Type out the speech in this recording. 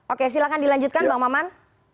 oke silahkan dilanjutkan bang maman